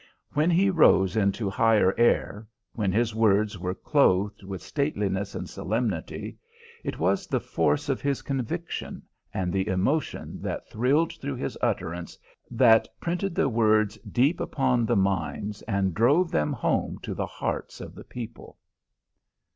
When he rose into higher air, when his words were clothed with stateliness and solemnity, it was the force of his conviction and the emotion that thrilled through his utterance, that printed the words deep upon the minds and drove them home to the hearts of the people.